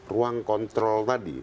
ruang kontrol tadi